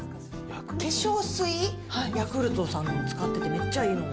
化粧水、ヤクルトさんの使ってて、めっちゃいいのよ。